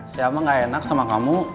saya mah gak enak sama kamu